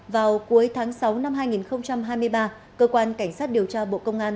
vào cuối tháng sáu năm hai nghìn hai mươi ba cơ quan cảnh sát điều tra bộ công an